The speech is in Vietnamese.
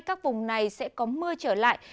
các vùng này sẽ có mưa trắng